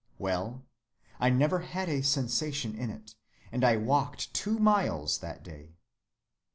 Well, I never had a sensation in it, and I walked two miles that day."